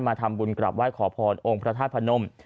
มาทำบุญกราบไหว้ขอพรองพระธาตุพระนม